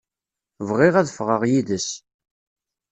Bɣiɣ ad ffɣeɣ yid-s.